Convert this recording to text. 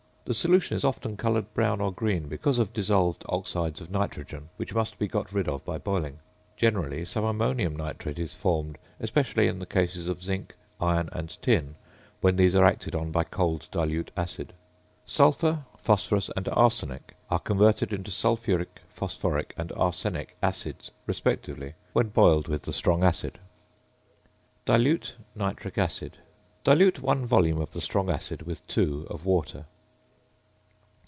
The solution is often coloured brown or green because of dissolved oxides of nitrogen, which must be got rid of by boiling. Generally some ammonium nitrate is formed, especially in the cases of zinc, iron, and tin, when these are acted on by cold dilute acid. Sulphur, phosphorus, and arsenic are converted into sulphuric, phosphoric, and arsenic acids respectively, when boiled with the strong acid. ~Dilute Nitric Acid.~ Dilute 1 volume of the strong acid with 2 of water.